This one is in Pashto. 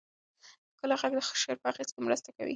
ښکلی غږ د شعر په اغېز کې مرسته کوي.